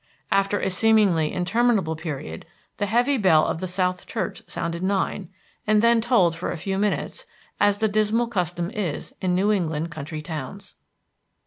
After a seemingly interminable period the heavy bell of the South Church sounded nine, and then tolled for a few minutes, as the dismal custom is in New England country towns.